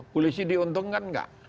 polisi diuntungkan enggak